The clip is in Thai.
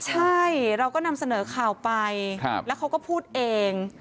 ใช่เราก็นำเสนอข่าวไปแล้วเขาก็พูดเอง